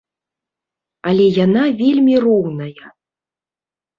Але яна вельмі роўная.